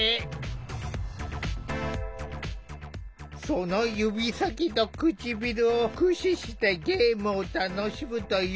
その指先と唇を駆使してゲームを楽しむという上虎。